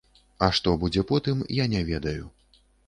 А што будзе потым, я не ведаю.